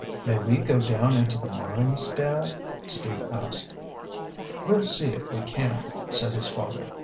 "May we go down into the mines, Dad?" Steve asked. "We'll see if we can," said his father.